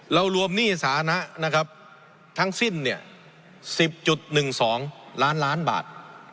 เรารวมหนี้สานะนะครับทั้งสิ้นเนี่ย๑๐๑๒ล้านล้านบาท